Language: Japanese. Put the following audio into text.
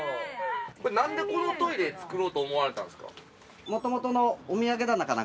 何でこのトイレ作ろうと思われたんですか？